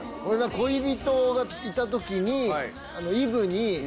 恋人がいた時に。